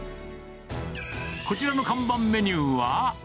こちらの看板メニューは？